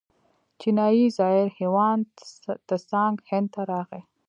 چینایي زایر هیوان تسانګ هند ته راغی.